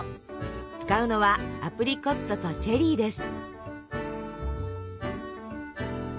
使うのはアプリコットとチェリーです。